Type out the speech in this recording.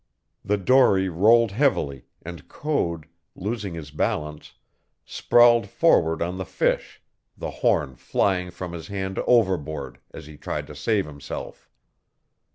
The dory rolled heavily, and Code, losing his balance, sprawled forward on the fish, the horn flying from his hand overboard as he tried to save himself.